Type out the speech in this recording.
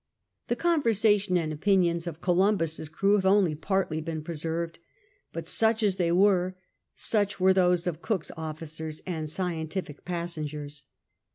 Tlie conversation and opinions fif roliimhns^s crew ha\ o only partly been preserved ; but such as they were, such were those of ( 'oolv's officers and scientific ] wssciigcrs.